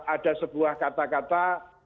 ada sebuah kata kata